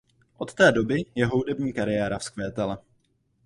Od té doby jeho hudební kariéra vzkvétala.